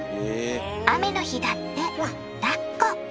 雨の日だってだっこ。